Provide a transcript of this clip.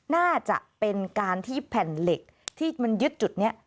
น่าจะเป็นการที่แผ่นเหล็กที่มันยึดจุดนี้